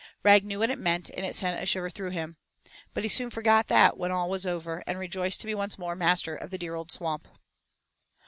Rag knew what it meant and it sent a shiver through him, but he soon forgot that when all was over and rejoiced to be once more the master of the dear old Swamp.